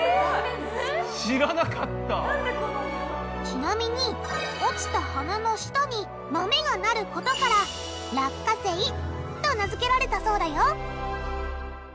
ちなみに落ちた花の下に豆が生ることから「落花生」と名付けられたそうだよ